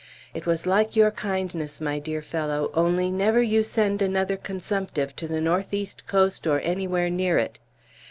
It was like your kindness, my dear fellow, only never you send another consumptive to the northeast coast or anywhere near it!